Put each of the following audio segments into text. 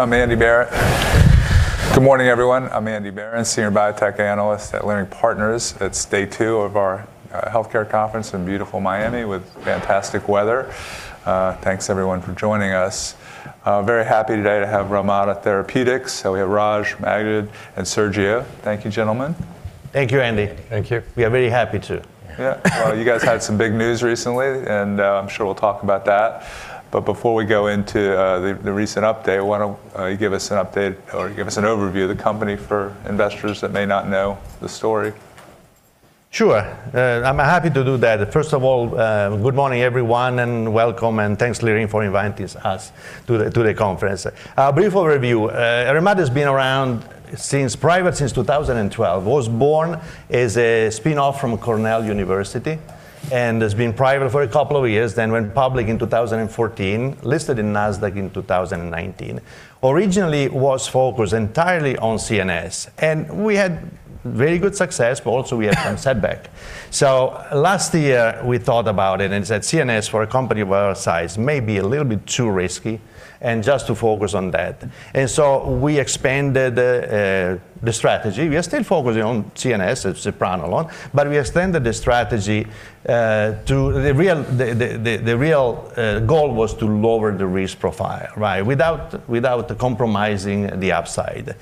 I'm Andy Berens. Good morning, everyone. I'm Andy Berens, senior biotech analyst at Leerink Partners. It's day two of our healthcare conference in beautiful Miami with fantastic weather. Thanks everyone for joining us. Very happy today to have Relmada Therapeutics. We have Raj, Maged, and Sergio. Thank you, gentlemen. Thank you, Andy. Thank you. We are very happy to. Yeah. Well, you guys had some big news recently, and I'm sure we'll talk about that. But before we go into the recent update, why don't you give us an update or give us an overview of the company for investors that may not know the story? Sure. I'm happy to do that. First of all, good morning, everyone, and welcome, and thanks, Leerink, for inviting us to the conference. Brief overview. Relmada's been around since private since 2012. Was born as a spinoff from Cornell University, and it's been private for a couple of years, then went public in 2014, listed in Nasdaq in 2019. Originally was focused entirely on CNS, and we had very good success, but also we had some setback. Last year, we thought about it and said CNS for a company of our size may be a little bit too risky and just to focus on that. We expanded the strategy. We are still focusing on CNS with sepranolone, but we extended the strategy to really lower the risk profile, right? Without compromising the upside.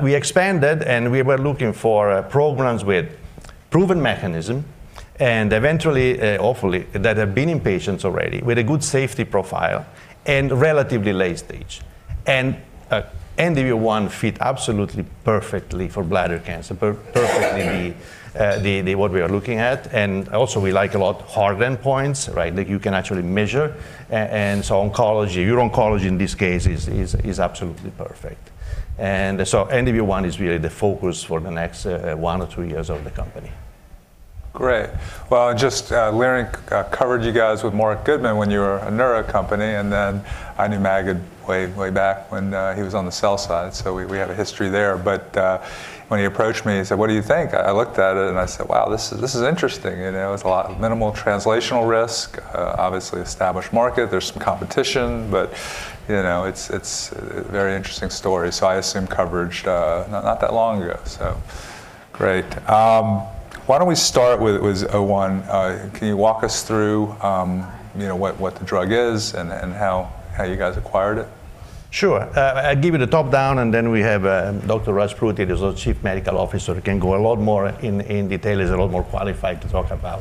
We expanded, and we were looking for programs with proven mechanism and eventually, hopefully, that have been in patients already with a good safety profile and relatively late stage. NDV-01 fit absolutely perfectly for bladder cancer, perfectly what we are looking at. We like a lot hard endpoints, right? That you can actually measure. Uro-Oncology in this case is absolutely perfect. NDV-01 is really the focus for the next 1 to 2 years of the company. Great. Well, just Leerink covered you guys with Marc Goodman when you were a neuro company, and then I knew Maged way back when he was on the sell side. We have a history there. When he approached me and said, "What do you think?" I looked at it and I said, "Wow, this is interesting." You know, it's minimal translational risk, obviously established market. There's some competition, but you know, it's very interesting story. I assumed coverage not that long ago. Great. Why don't we start with REL-1017. Can you walk us through you know, what the drug is and how you guys acquired it? Sure. I'll give you the top-down, and then we have Dr. Raj Pruthi, who's our chief medical officer, can go a lot more in detail. He's a lot more qualified to talk about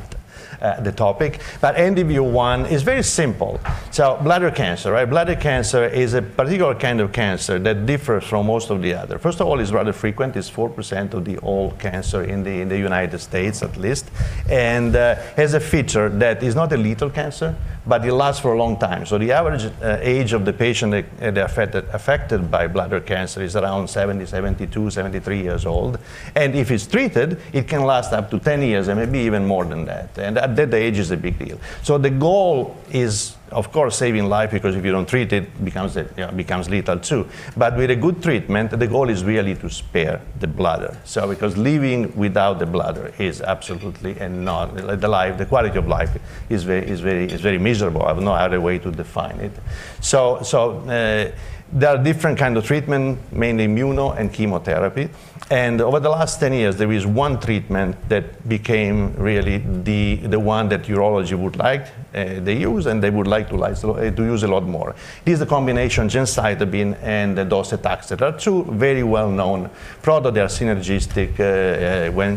the topic. NDV-01 is very simple. Bladder cancer, right? Bladder cancer is a particular kind of cancer that differs from most of the other. First of all, it's rather frequent. It's 4% of all cancer in the United States at least, and has a feature that is not a lethal cancer, but it lasts for a long time. The average age of the patient affected by bladder cancer is around 70, 72, 73 years old, and if it's treated, it can last up to 10 years and maybe even more than that. At that age is a big deal. The goal is, of course, saving life because if you don't treat it, becomes lethal too. With a good treatment, the goal is really to spare the bladder. Because living without the bladder is absolutely a no-no. The quality of life is very miserable. I've no other way to define it. There are different kind of treatment, mainly immuno and chemotherapy. Over the last 10 years, there is one treatment that became really the one that urology would like to use and they would like to use a lot more. This is a combination gemcitabine and docetaxel. They are two very well-known product. They are synergistic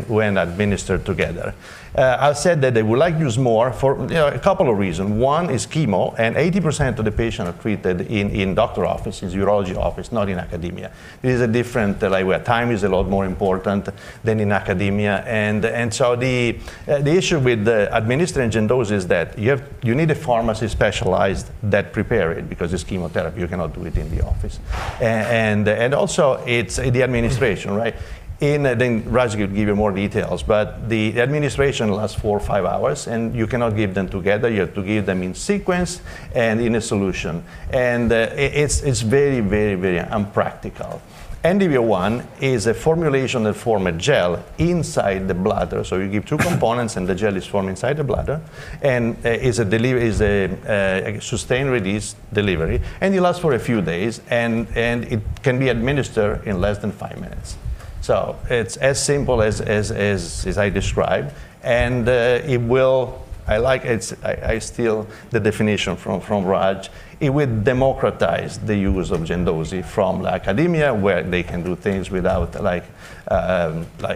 when administered together. I said that they would like use more for a couple of reasons. One is chemo, and 80% of the patients are treated in doctor office, in urology office, not in academia. It is a different, like where time is a lot more important than in academia. The issue with administering Gem/Doce is that you need a specialized pharmacy that prepares it because it's chemotherapy. You cannot do it in the office. Also it's the administration, right? Then Raj could give you more details. The administration lasts four or five hours, and you cannot give them together. You have to give them in sequence and in a solution. It's very impractical. NDV-01 is a formulation that forms a gel inside the bladder. You give two components, and the gel is formed inside the bladder and is a sustained-release delivery, and it lasts for a few days, and it can be administered in less than five minutes. It's as simple as I described, and I steal the definition from Raj. It will democratize the use of Gem/Doce from academia, where they can do things without like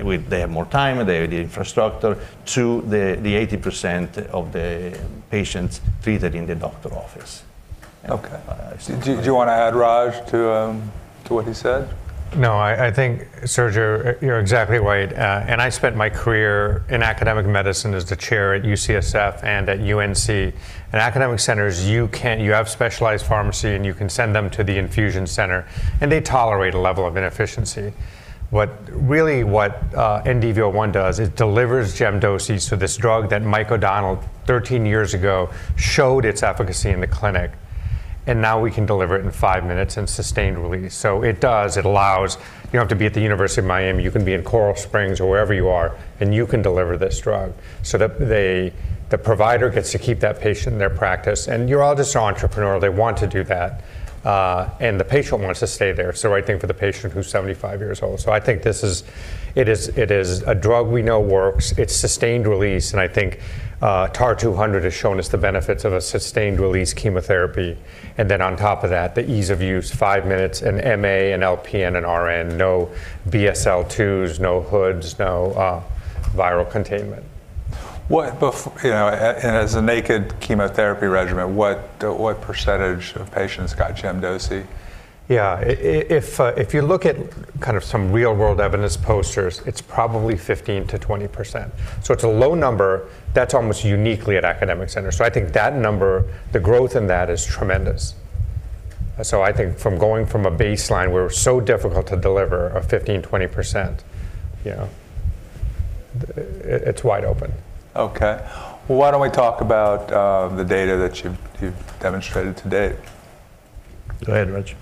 with they have more time, they have the infrastructure to the 80% of the patients treated in the doctor's office. Okay. Do you wanna add Raj to what he said? No, I think, Sergio, you're exactly right. I spent my career in academic medicine as the chair at UCSF and at UNC. In academic centers, you have specialized pharmacy, and you can send them to the infusion center, and they tolerate a level of inefficiency. What really NDV-01 does, it delivers Gem/Doce. This drug that Mike O'Donnell 13 years ago showed its efficacy in the clinic. Now we can deliver it in 5 minutes in sustained release. It allows. You don't have to be at the University of Miami, you can be in Coral Springs or wherever you are, and you can deliver this drug. That the provider gets to keep that patient in their practice. Urologists are entrepreneurial, they want to do that. The patient wants to stay there, it's the right thing for the patient who's 75 years old. I think this is a drug we know works. It's sustained release, and I think TAR-200 has shown us the benefits of a sustained release chemotherapy. Then on top of that, the ease of use, five minutes, an MA, an LPN, an RN, no BSL-2s, no hoods, no viral containment. You know, as a naked chemotherapy regimen, what percentage of patients got Gem/Doce? Yeah. If you look at kind of some real-world evidence posters, it's probably 15%-20%. It's a low number. That's almost uniquely at academic centers. I think that number, the growth in that is tremendous. I think from going from a baseline where we're so difficult to deliver a 15%-20%, you know, it's wide open. Okay. Why don't we talk about the data that you've demonstrated to date? Go ahead, Raj.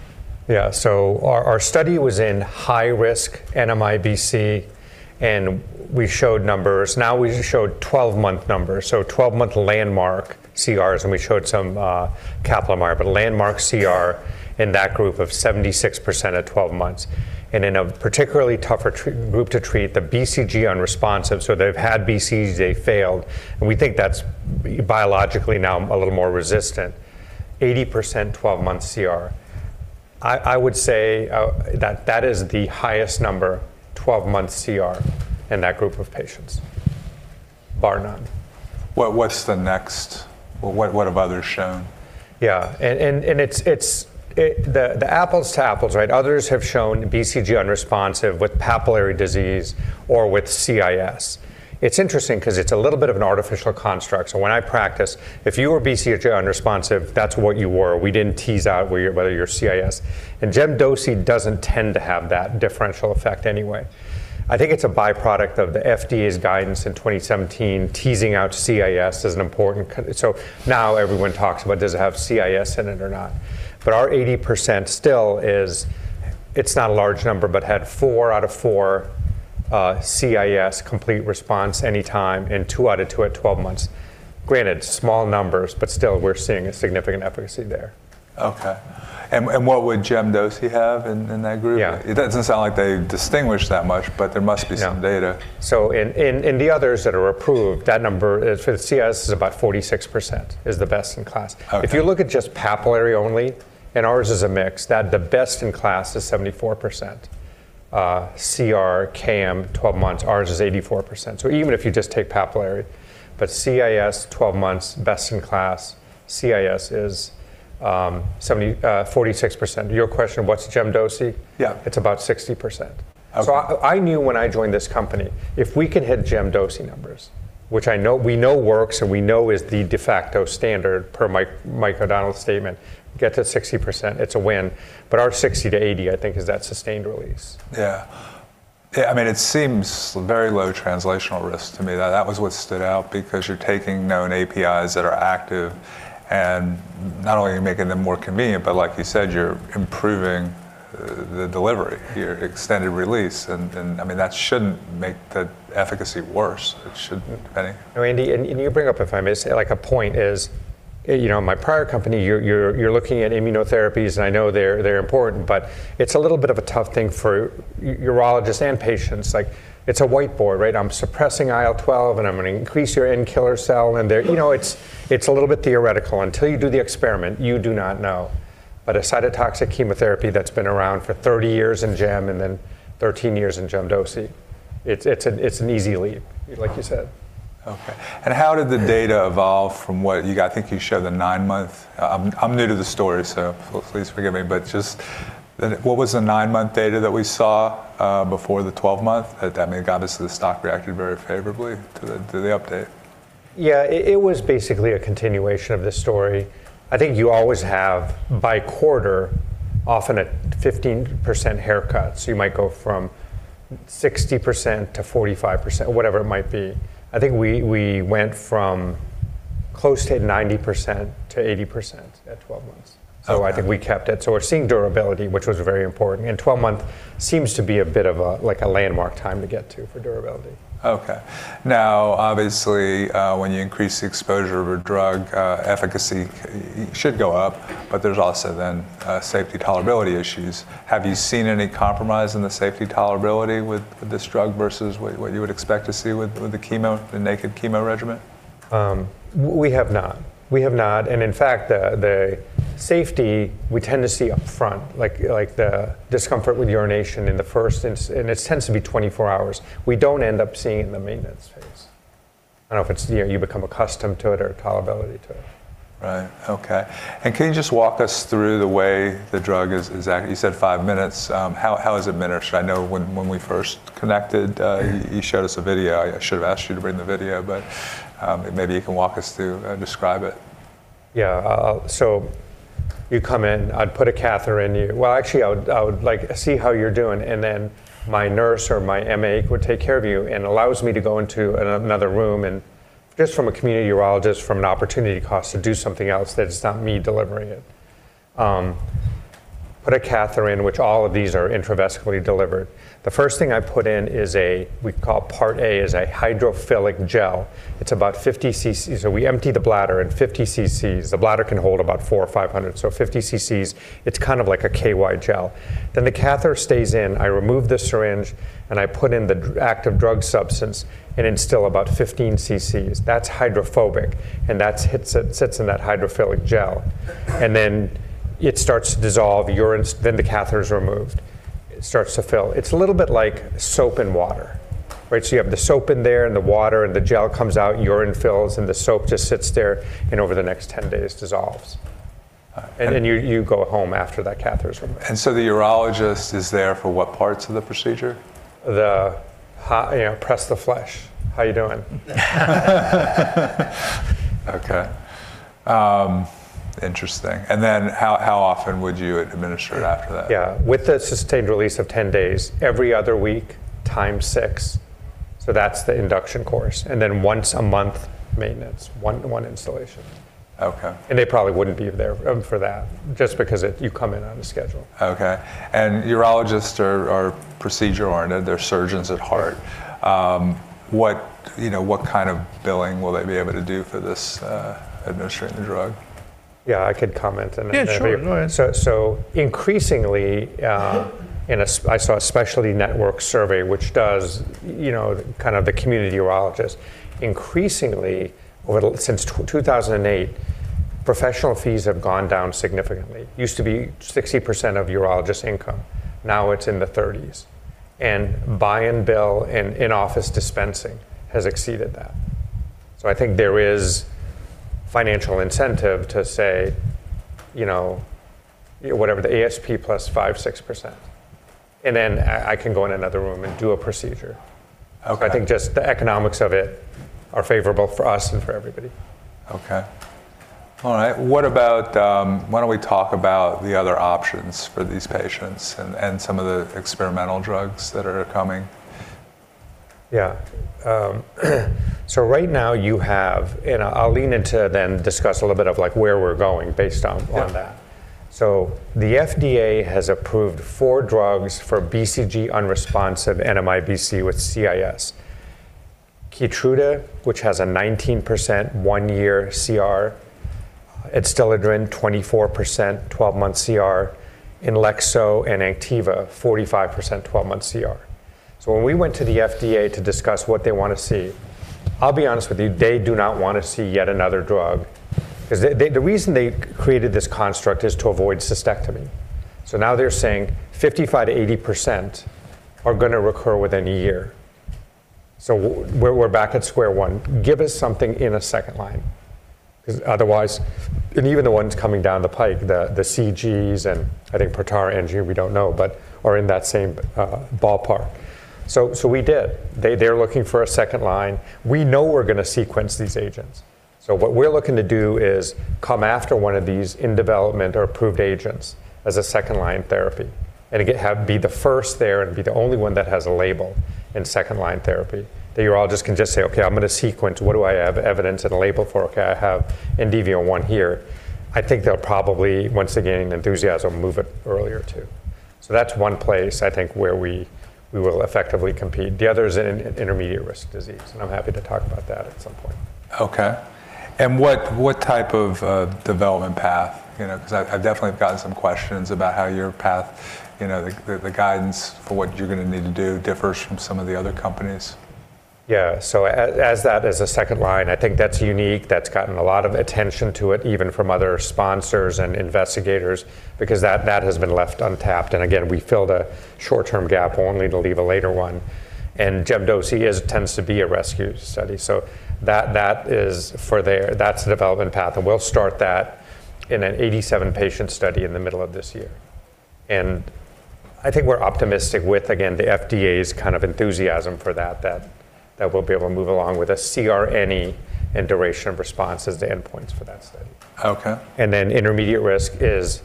Yeah. Our study was in high-risk NMIBC and we showed numbers. Now we showed 12-month numbers, so 12-month landmark CRs and we showed some Kaplan-Meier, but landmark CR in that group of 76% at 12 months and in a particularly tougher-to-treat group to treat the BCG-unresponsive. They've had BCG, they failed, and we think that's biologically now a little more resistant. 80% 12-month CR. I would say that is the highest number, 12-month CR in that group of patients bar none. What have others shown? Yeah, it's the apples to apples, right? Others have shown BCG unresponsive with papillary disease or with CIS. It's interesting 'cause it's a little bit of an artificial construct. When I practice, if you were BCG unresponsive, that's what you were. We didn't tease out whether you're CIS and Gem/Doce doesn't tend to have that differential effect anyway. I think it's a by-product of the FDA's guidance in 2017 teasing out CIS as an important kind. Now everyone talks about does it have CIS in it or not. Our 80% still is, it's not a large number, but had four out of four CIS complete response any time and two out of two at 12 months. Granted small numbers, but still we're seeing a significant efficacy there. Okay. What would Gem/Doce have in that group? Yeah. It doesn't sound like they distinguish that much, but there must be some data. Yeah. In the others that are approved, that number is for the CIS about 46% is the best in class. Okay. If you look at just papillary only and ours is a mix, that the best in class is 74% CR KM 12 months, ours is 84%. Even if you just take papillary but CIS 12 months, best in class CIS is 70, 46%. Your question, what's Gem/Doce? Yeah. It's about 60%. Okay. I knew when I joined this company if we could hit Gem/Doce numbers, which I know, we know works and we know is the de facto standard per Mike O'Donnell's statement, get to 60% it's a win. Our 60%-80% I think is that sustained release. Yeah. Yeah, I mean it seems very low translational risk to me. That was what stood out because you're taking known APIs that are active and not only are you making them more convenient, but like you said, you're improving the delivery, your extended release and I mean that shouldn't make the efficacy worse. It shouldn't. Any? No, Andy, you bring up, if I may say, like a point, you know, my prior company. You're looking at immunotherapies and I know they're important, but it's a little bit of a tough thing for urologists and patients. Like it's a whiteboard, right? I'm suppressing IL-12 and I'm gonna increase your NK cell and they're, you know, it's a little bit theoretical until you do the experiment, you do not know. A cytotoxic chemotherapy that's been around for 30 years in gem and then 13 years in Gem/Doce, it's an easy leap, like you said. Okay. How did the data evolve from what you got? I think you showed the 9-month. I'm new to the story, so please forgive me, but just then what was the 9-month data that we saw before the 12-month? Had that made, obviously the stock reacted very favorably to the update. Yeah. It was basically a continuation of this story. I think you always have by quarter often a 15% haircut, so you might go from 60% to 45% or whatever it might be. I think we went from close to 90% to 80% at 12 months. I think we kept it. We're seeing durability which was very important and 12 months seems to be a bit of a, like a landmark time to get to for durability. Okay. Now obviously, when you increase the exposure of a drug, efficacy should go up, but there's also then, safety tolerability issues. Have you seen any compromise in the safety tolerability with this drug versus what you would expect to see with the chemo, the naked chemo regimen? We have not. In fact, the safety we tend to see up front, like the discomfort with urination, and it tends to be 24 hours. We don't end up seeing the maintenance phase. I dunno if it's, you know, you become accustomed to it or tolerability to it. Right. Okay. Can you just walk us through the way the drug is you said five minutes. How is it administered? I know when we first connected, you showed us a video. I should have asked you to bring the video, but maybe you can walk us through and describe it. You come in, I'd put a catheter in you. Well, actually I would like see how you're doing and then my nurse or my MA would take care of you and allows me to go into another room and just from a community urologist from an opportunity cost to do something else that it's not me delivering it. Put a catheter in which all of these are intravesically delivered. The first thing I put in is a, we call Part A, is a hydrophilic gel. It's about 50 cc. We empty the bladder and 50 cc's. The bladder can hold about 400 or 500. So 50 cc's, it's kind of like a KY gel. Then the catheter stays in, I remove the syringe, and I put in the active drug substance and instill about 15 cc's. That's hydrophobic, and that sits in that hydrophilic gel. Then it starts to dissolve, urine, then the catheter is removed. It starts to fill. It's a little bit like soap and water, right? You have the soap in there and the water, and the gel comes out, urine fills, and the soap just sits there and over the next 10 days dissolves. Uh, and- You go home after that catheter is removed. The urologist is there for what parts of the procedure? Yeah, press the flesh. How are you doing? Okay. Interesting. How often would you administer it after that? Yeah. With a sustained release of 10 days, every other week times 6. That's the induction course. Once a month, maintenance, 1 installation. Okay. They probably wouldn't be there for that just because you come in on a schedule. Okay. Urologists are procedure-oriented. They're surgeons at heart. You know, what kind of billing will they be able to do for this, administering the drug? Yeah, I could comment and then. Yeah, sure. Go ahead. Increasingly, I saw a specialty network survey which, you know, kind of does the community urologist. Increasingly, since 2008, professional fees have gone down significantly. Used to be 60% of urologist income. Now it's in the 30s. Buy and bill and in-office dispensing has exceeded that. I think there is financial incentive to say, you know, whatever the ASP plus 5-6%. Then I can go in another room and do a procedure. Okay. I think just the economics of it are favorable for us and for everybody. Okay. All right. What about, why don't we talk about the other options for these patients and some of the experimental drugs that are coming? Yeah. Right now you have. I'll lean into then discuss a little bit of like where we're going based on that. Yeah. The FDA has approved four drugs for BCG-unresponsive NMIBC with CIS. Keytruda, which has a 19% 1-year CR. Adstiladrin, 24% 12-month CR. INLEXZO and Anktiva, 45% 12-month CR. When we went to the FDA to discuss what they want to see, I'll be honest with you, they do not want to see yet another drug because the reason they created this construct is to avoid cystectomy. Now they're saying 55%-80% are going to recur within a year. We're back at square one. Give us something in a second line, because otherwise. Even the ones coming down the pipe, the CG Oncology and I think Protara, enGene, we don't know, but are in that same ballpark. We did. They're looking for a second line. We know we're gonna sequence these agents. What we're looking to do is come after one of these in development or approved agents as a second-line therapy and be the first there and be the only one that has a label in second-line therapy. The urologist can just say, "Okay, I'm gonna sequence. What do I have evidence and a label for? Okay, I have NDV-01 here." I think they'll probably, once again, enthusiastically move it earlier, too. That's one place I think where we will effectively compete. The other is in intermediate risk disease, and I'm happy to talk about that at some point. Okay. What type of development path, you know, because I've definitely have gotten some questions about how your path, you know, the guidance for what you're going to need to do differs from some of the other companies. Yeah. As that as a second line, I think that's unique. That's gotten a lot of attention to it, even from other sponsors and investigators, because that has been left untapped. We filled a short-term gap only to leave a later one. Gemcitabine tends to be a rescue study. That is for there. That's the development path. We'll start that in an 87-patient study in the middle of this year. I think we're optimistic with, again, the FDA's kind of enthusiasm for that we'll be able to move along with a CR and duration of response as the endpoints for that study. Okay. Intermediate risk is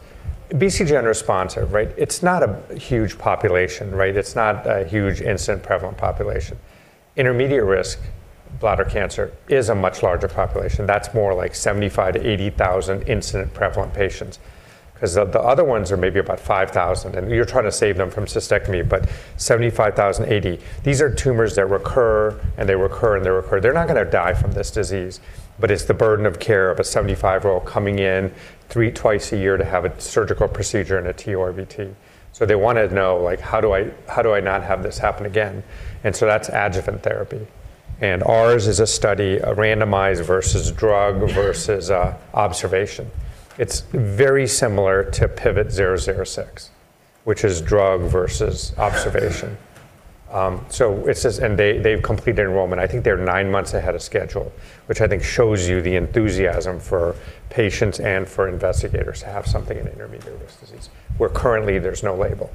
BCG-naïve, right? It's not a huge population, right? It's not a huge incidence and prevalent population. Intermediate risk bladder cancer is a much larger population. That's more like 75,000-80,000 incidence and prevalent patients. Because the other ones are maybe about 5,000, and you're trying to save them from cystectomy. But 75,000, 80,000, these are tumors that recur, and they recur, and they recur. They're not going to die from this disease, but it's the burden of care of a 75-year-old coming in twice a year to have a surgical procedure and a TURBT. So they want to know, like, "How do I not have this happen again?" That's adjuvant therapy. Ours is a study, a randomized versus drug versus observation. It's very similar to PIVOT-006, which is drug versus observation. They've completed their enrollment. I think they're nine months ahead of schedule, which I think shows you the enthusiasm for patients and for investigators to have something in intermediate risk disease, where currently there's no label.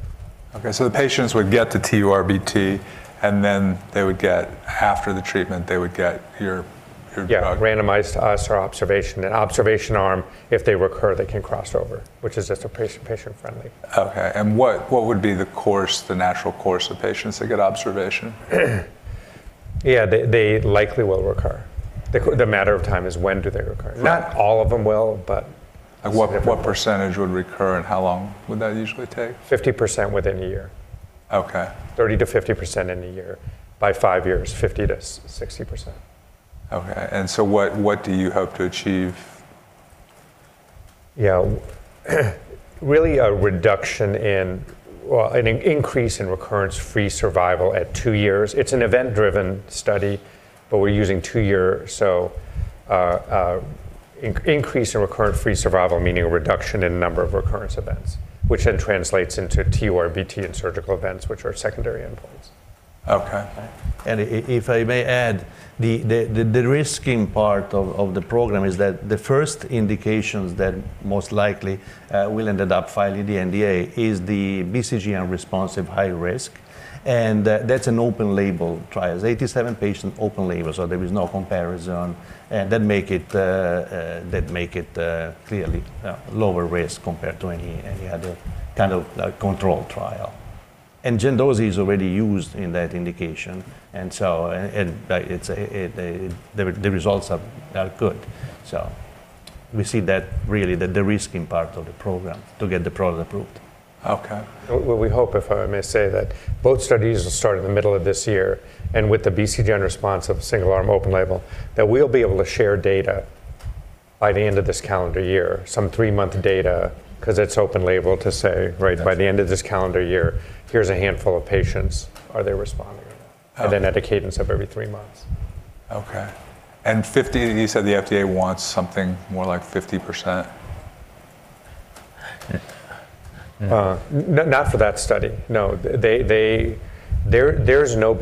The patients would get the TURBT, and then, after the treatment, they would get your drug. Yeah. Randomized versus observation. In observation arm, if they recur, they can cross over, which is just a patient-friendly. Okay. What would be the course, the natural course of patients that get observation? Yeah. They likely will recur. The matter of time is when do they recur? Right. Not all of them will, but significant. What percentage would recur, and how long would that usually take? 50% within a year. Okay. 30%-50% in a year. By 5 years, 50%-60%. What do you hope to achieve? Well, an increase in recurrence-free survival at 2 years. It's an event-driven study, but we're using 2 years. Increase in recurrence-free survival, meaning a reduction in number of recurrence events, which then translates into TURBT and surgical events, which are secondary endpoints. Okay. If I may add, the de-risking part of the program is that the first indications that most likely will end up filing the NDA is the BCG-unresponsive high-risk, and that's an open-label trial. 87-patient, open-label. There is no comparison, and that makes it clearly lower risk compared to any other kind of control trial. Gem/Doce is already used in that indication. And so, it's that the results are good. We see that really the de-risking part of the program to get the product approved. Okay. Well, we hope, if I may say that both studies will start in the middle of this year, and with the BCG-unresponsive single-arm open-label, that we'll be able to share data by the end of this calendar year, some three-month data, 'cause it's open-label to say right. Yes By the end of this calendar year, here's a handful of patients. Are they responding or not? Okay. At a cadence of every three months. Okay. You said the FDA wants something more like 50%? Not for that study. No. There's no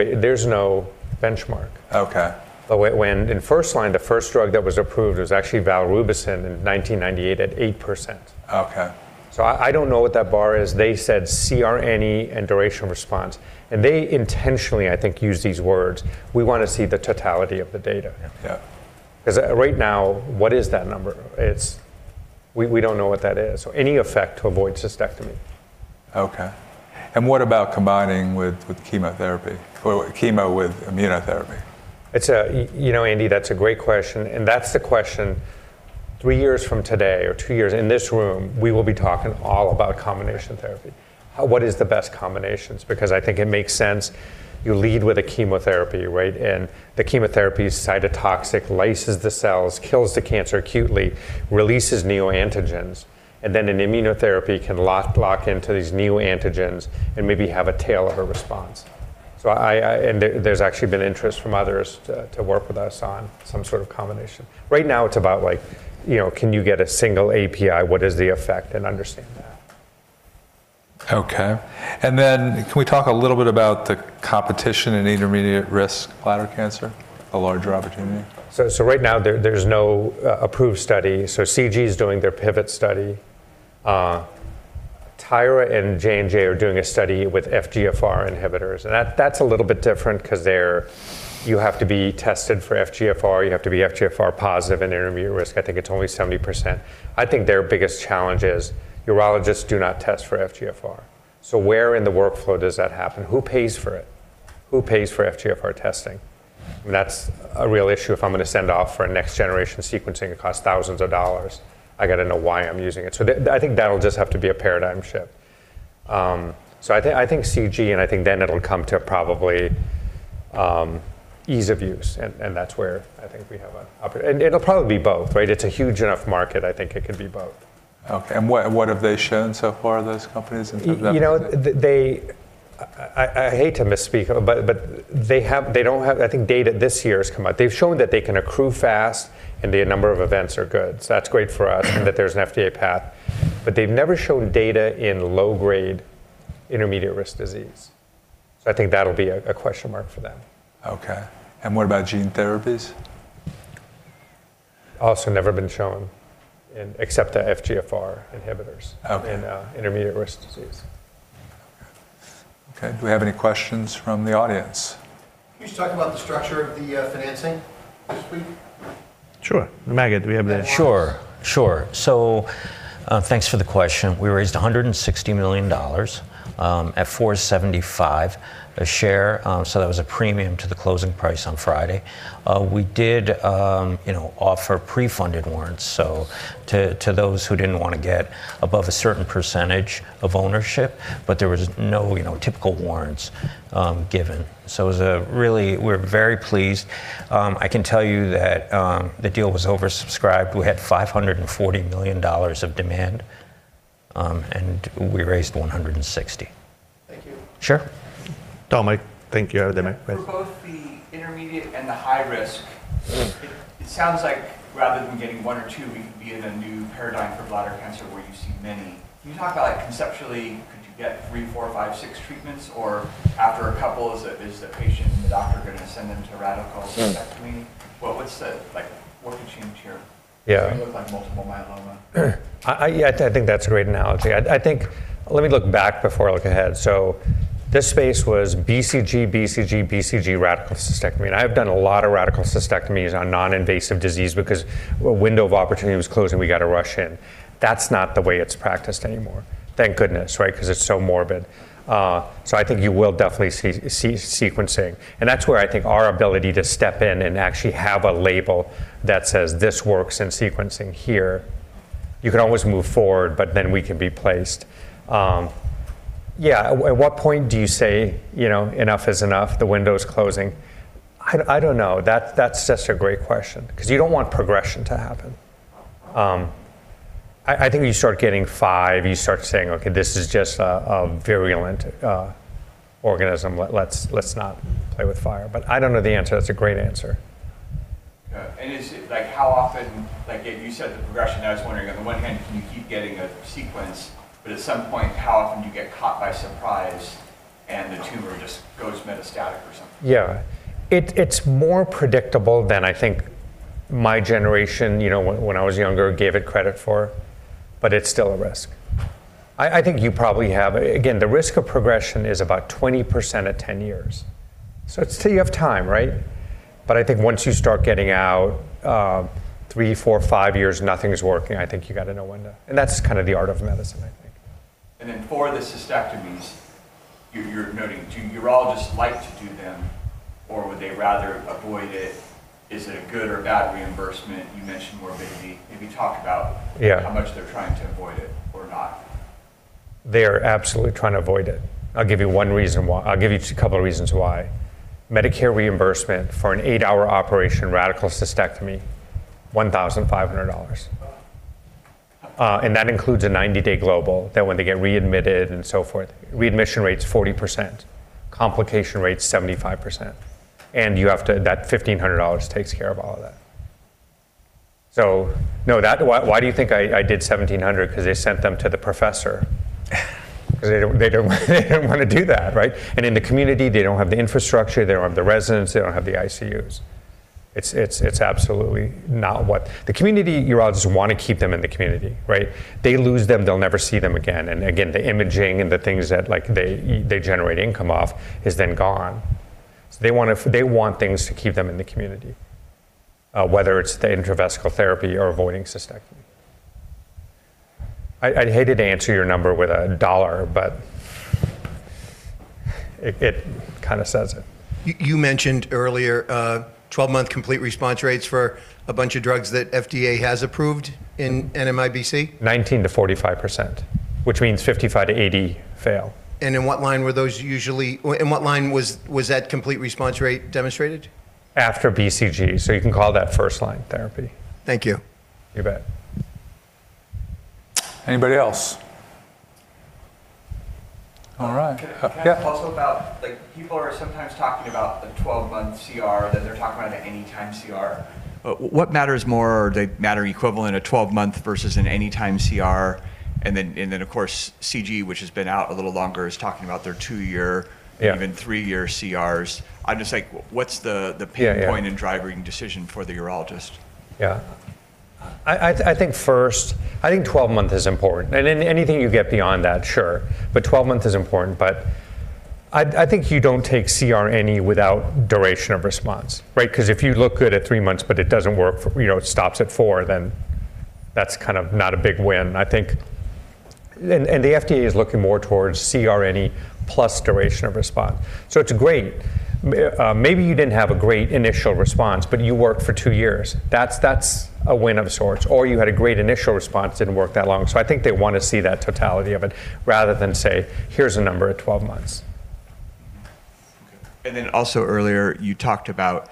benchmark. Okay. When in first line, the first drug that was approved was actually valrubicin in 1998 at 8%. Okay. I don't know what that bar is. They said CR and duration response, and they intentionally, I think, used these words. "We wanna see the totality of the data. Yeah. 'Cause right now, what is that number? We don't know what that is. Any effect to avoid cystectomy. Okay. What about combining with chemotherapy? Or chemo with immunotherapy? You know, Andy, that's a great question, and that's the question three years from today or two years in this room, we will be talking all about combination therapy. What is the best combinations? Because I think it makes sense, you lead with a chemotherapy, right? The chemotherapy is cytotoxic, lyses the cells, kills the cancer acutely, releases neoantigens, and then an immunotherapy can lock into these new antigens and maybe have a tail of a response. There's actually been interest from others to work with us on some sort of combination. Right now it's about like, you know, can you get a single API, what is the effect, and understand that. Okay. Can we talk a little bit about the competition in intermediate-risk bladder cancer, a larger opportunity? Right now there's no approved study. CG's doing their pivot study. Tyra and J&J are doing a study with FGFR inhibitors, and that's a little bit different because you have to be tested for FGFR. You have to be FGFR positive in intermediate risk. I think it's only 70%. I think their biggest challenge is urologists do not test for FGFR. Where in the workflow does that happen? Who pays for it? Who pays for FGFR testing? I mean, that's a real issue. If I'm gonna send off for a next-generation sequencing, it costs thousands of dollars. I gotta know why I'm using it. I think that'll just have to be a paradigm shift. I think CG and I think then it'll come to probably ease of use, and that's where I think we have. It'll probably be both, right? It's a huge enough market. I think it can be both. Okay. What have they shown so far, those companies in terms of- You know, I hate to misspeak, but they don't have, I think, data this year has come out. They've shown that they can accrue fast, and their number of events are good. That's great for us in that there's an FDA path. They've never shown data in low-grade intermediate-risk disease. I think that'll be a question mark for them. Okay. What about gene therapies? Never been shown in except the FGFR inhibitors. Okay in intermediate-risk disease. Okay. Do we have any questions from the audience? Can you just talk about the structure of the financing this week? Sure. Maged, do we have the- Sure. Thanks for the question. We raised $160 million at $4.75 a share. That was a premium to the closing price on Friday. We did, you know, offer pre-funded warrants, so to those who didn't wanna get above a certain percentage of ownership, but there was no, you know, typical warrants given. We're very pleased. I can tell you that the deal was oversubscribed. We had $540 million of demand, and we raised $160 million. Thank you. Sure. Tom, I think you have the mic. Please. For both the intermediate and the high risk. Mm-hmm It sounds like rather than getting 1 or 2, we could be in a new paradigm for bladder cancer where you see many. Can you talk about, like, conceptually, could you get 3, 4, 5, 6 treatments, or after a couple, is the patient, is the doctor gonna send them to radical cystectomy? Mm. Like, what could change here? Yeah. Does it look like multiple myeloma? Yeah. I think that's a great analogy. I think. Let me look back before I look ahead. This space was BCG, BCG, radical cystectomy. I've done a lot of radical cystectomies on non-invasive disease because a window of opportunity was closing. We got to rush in. That's not the way it's practiced anymore. Thank goodness, right? Because it's so morbid. I think you will definitely see sequencing. That's where I think our ability to step in and actually have a label that says, "This works in sequencing here," you can always move forward, but then we can be placed. At what point do you say, you know, enough is enough, the window's closing? I don't know. That's such a great question, because you don't want progression to happen. I think you start getting 5, you start saying, "Okay, this is just a virulent organism. Let's not play with fire." But I don't know the answer. That's a great answer. Yeah. Is it like how often like you said the progression. I was wondering, on the one hand, can you keep getting a sequence, but at some point, how often do you get caught by surprise and the tumor just goes metastatic or something? Yeah. It's more predictable than I think my generation, you know, when I was younger, gave it credit for, but it's still a risk. Again, the risk of progression is about 20% at 10 years. It's. You have time, right? I think once you start getting out, three, four, five years, nothing's working, I think you gotta know when to. That's kind of the art of medicine, I think. For the cystectomies, you're noting, do urologists like to do them or would they rather avoid it? Is it a good or bad reimbursement? You mentioned morbidity. Maybe talk about. Yeah how much they're trying to avoid it or not. They are absolutely trying to avoid it. I'll give you one reason why. I'll give you a couple of reasons why. Medicare reimbursement for an 8-hour operation radical cystectomy, $1,500. Oh. That includes a 90-day global that when they get readmitted and so forth. Readmission rate's 40%. Complication rate's 75%. That $1,500 takes care of all of that. So no. Why do you think I did $1,700? Because they sent them to the professor. Because they don't wanna do that, right? In the community, they don't have the infrastructure, they don't have the residents, they don't have the ICUs. It's absolutely not what. The community urologists wanna keep them in the community, right? They lose them, they'll never see them again. Again, the imaging and the things that, like, they generate income off is then gone. So they want things to keep them in the community, whether it's the intravesical therapy or avoiding cystectomy. I hated to answer your number with a dollar, but it kinda says it. You mentioned earlier, 12-month complete response rates for a bunch of drugs that FDA has approved in NMIBC. 19%-45%, which means 55%-80% fail. In what line was that complete response rate demonstrated? After BCG, so you can call that first-line therapy. Thank you. You bet. Anybody else? All right. Can I- Yeah. Also about, like people are sometimes talking about the 12-month CR, then they're talking about an anytime CR. What matters more, or do they matter equivalently, a 12-month versus an anytime CR? Of course, CG, which has been out a little longer, is talking about their 2-year- Yeah even three-year CRs. I'm just like, what's the pinpoint- Yeah, yeah. driving decision for the urologist? Yeah. I think first, I think 12-month is important. Anything you get beyond that, sure. 12-month is important. I think you don't take CR any without duration of response, right? Because if you look good at 3 months, but it doesn't work for, you know, it stops at 4, then that's kind of not a big win. I think the FDA is looking more towards CR any plus duration of response. It's great. Maybe you didn't have a great initial response, but you worked for 2 years. That's a win of sorts. Or you had a great initial response, didn't work that long. I think they wanna see that totality of it, rather than say, "Here's a number at 12 months. Okay. Earlier, you talked about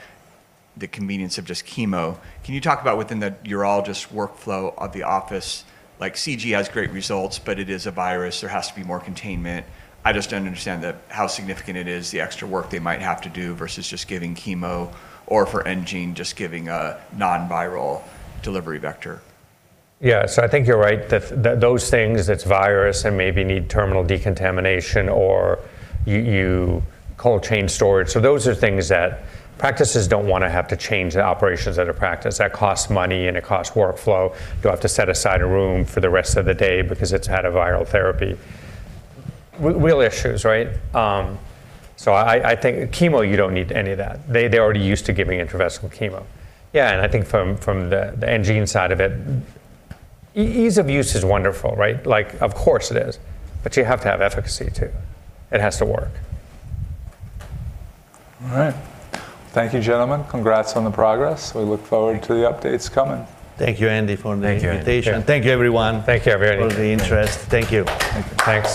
the convenience of just chemo. Can you talk about within the urologist workflow of the office, like CG has great results, but it is a virus. There has to be more containment. I just don't understand the how significant it is, the extra work they might have to do versus just giving chemo or for enGene, just giving a non-viral delivery vector? Yeah. I think you're right. Those things, it's viral and maybe need terminal decontamination or cold chain storage. Those are things that practices don't wanna have to change the operations at a practice. That costs money and it costs workflow, to have to set aside a room for the rest of the day because it's had a viral therapy. Real issues, right? I think chemo, you don't need any of that. They're already used to giving intravesical chemo. I think from the enGene side of it, ease of use is wonderful, right? Like, of course it is. You have to have efficacy too. It has to work. All right. Thank you, gentlemen. Congrats on the progress. We look forward to the updates coming. Thank you, Andy, for the invitation. Thank you. Thank you, everyone. Thank you everyone. for the interest. Thank you. Thanks.